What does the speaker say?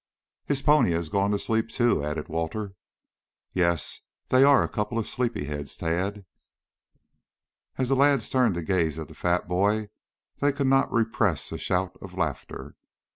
"His pony has gone to sleep, too," added Walter. "Yes, they are a couple of sleepy heads, Tad." As the lads turned to gaze at the fat boy, they could not repress a shout of laughter.